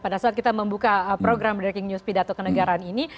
pada saat kita membuka program ranking news pidato ke negara